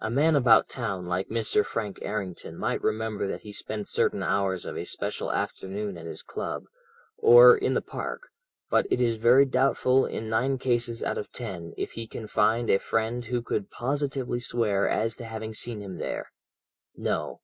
A man about town like Mr. Frank Errington might remember that he spent certain hours of a special afternoon at his club, or in the Park, but it is very doubtful in nine cases out of ten if he can find a friend who could positively swear as to having seen him there. No!